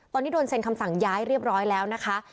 ตอนนี้โดนเซ็นคำสั่งย้ายเรียบร้อยแล้วนะคะ